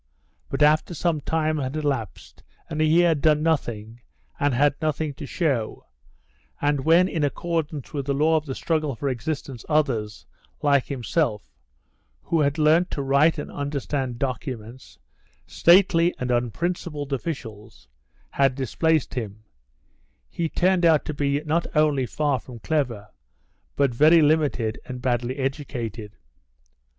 But after some time had elapsed and he had done nothing and had nothing to show, and when in accordance with the law of the struggle for existence others, like himself, who had learnt to write and understand documents, stately and unprincipled officials, had displaced him, he turned out to be not only far from clever but very limited and badly educated.